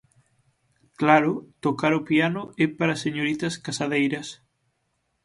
Claro, tocar o piano é para señoritas casadeiras.